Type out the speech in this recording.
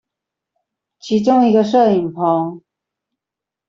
其中一個攝影棚